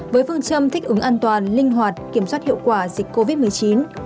với phương châm thích ứng an toàn linh hoạt kiểm soát hiệu quả dịch covid một mươi chín